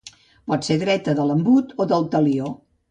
Pot ser dreta, de l'embut o del Talió.